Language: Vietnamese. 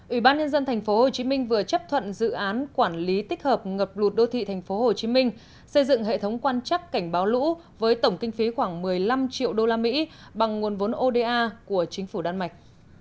ủy ban nhân dân tp hcm vừa chấp thuận dự án quản lý tích hợp ngập lụt đô thị tp hcm xây dựng hệ thống quan chắc cảnh báo lũ với tổng kinh phí khoảng một mươi năm triệu usd bằng nguồn vốn oda của chính phủ đan mạch